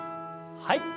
はい。